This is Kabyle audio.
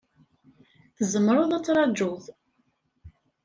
Tzemreḍ ad trajuḍ.